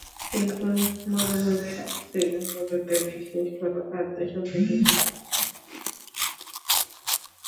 কিন্তু মরুভূমির বস্তিগুলোতেও বিশেষ কোন খাদ্য সঞ্চিত ছিল না।